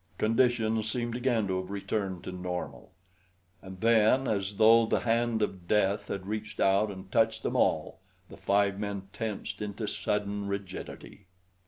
Conditions seemed again to have returned to normal. And then, as though the hand of Death had reached out and touched them all, the five men tensed into sudden rigidity.